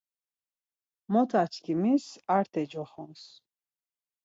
Motaçkimis Arte coxons.